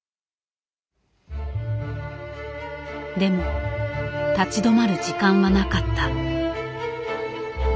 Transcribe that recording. でも立ち止まる時間はなかった。